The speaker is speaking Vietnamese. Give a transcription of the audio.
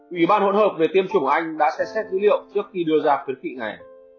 ủy ban hỗn hợp về tiêm chủng của anh đã xét xét dữ liệu trước khi đưa ra khuyến khị này